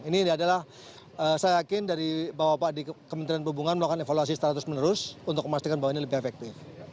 ini adalah saya yakin bahwa pak di kementerian perhubungan melakukan evaluasi secara terus menerus untuk memastikan bahwa ini lebih efektif